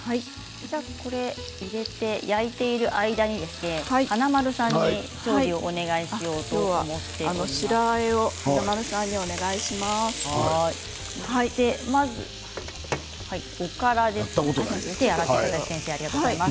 焼いている間に華丸さんに調理をお願いします。